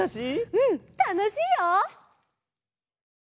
うんたのしいよ！